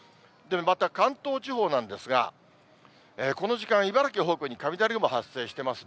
また関東地方なんですが、この時間、茨城北部に雷雲発生してます